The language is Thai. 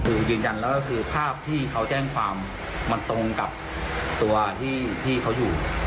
คือยืนยันแล้วก็คือภาพที่เขาแจ้งความมันตรงกับตัวที่พี่เขาอยู่